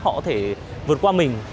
họ có thể vượt qua mình